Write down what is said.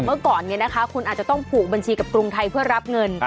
เมื่อก่อนคุณอาจจะต้องผูกบัญชีกับกรุงไทยเพื่อรับเงิน